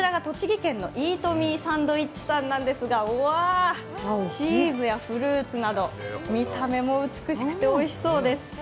こちらが栃木県のイートミーサンドイッチさんなんですが、フルーツなど、見た目も美しくておいしそうです。